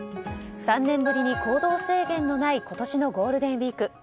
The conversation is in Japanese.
３年ぶりに行動制限のない今年のゴールデンウィーク。